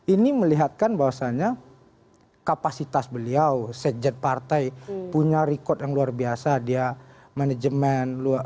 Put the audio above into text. ini melihatkan bahwasannya kapasitas beliau sekjen partai punya record yang luar biasa dia manajemen